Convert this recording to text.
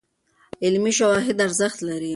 علمي شواهد ارزښت لري.